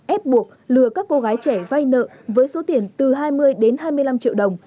ép buộc lừa các cô gái trẻ vay nợ với số tiền từ hai mươi đến hai mươi năm